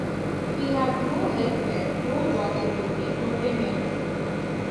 We have no health care, no job security, no tenure.